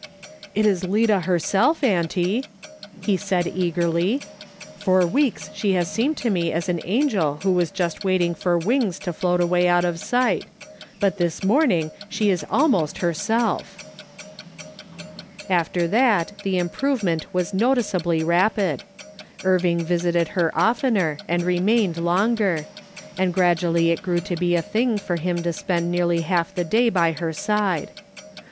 It is Lida herself, auntie," he said eagerly ;" for weeks she has seemed to me like an angel who was just waiting for wings to float away out of sight; but this morning she is almost herself." After that the improvement was noticeably rapid. Irving visited her oftener and remained longer, and gradually it grew to be the thing for him to spend nearly half of the day by her side.